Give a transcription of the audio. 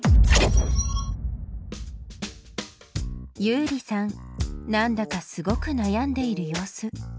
ユウリさんなんだかすごく悩んでいる様子。